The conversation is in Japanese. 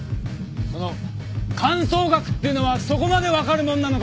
その観相学ってのはそこまで分かるもんなのか？